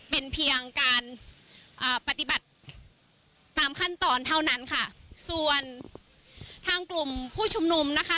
เป็นเพียงการอ่าปฏิบัติตามขั้นตอนเท่านั้นค่ะส่วนทางกลุ่มผู้ชุมนุมนะคะ